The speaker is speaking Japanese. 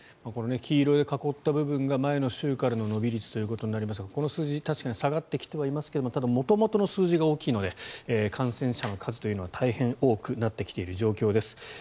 黄色で囲った部分が前の週からの伸び率ということになりますがこの数字確かに下がってきてはいますがただ、元々の数字が大きいので感染者の数というのは大変多くなっている状況です。